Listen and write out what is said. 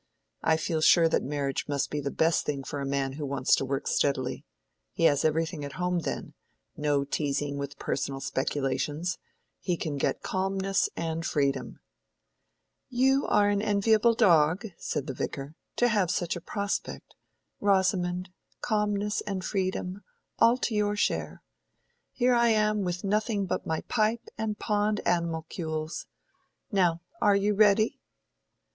I feel sure that marriage must be the best thing for a man who wants to work steadily. He has everything at home then—no teasing with personal speculations—he can get calmness and freedom." "You are an enviable dog," said the Vicar, "to have such a prospect—Rosamond, calmness and freedom, all to your share. Here am I with nothing but my pipe and pond animalcules. Now, are you ready?"